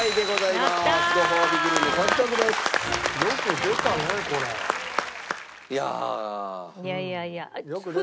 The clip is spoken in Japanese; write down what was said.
いやいやいや。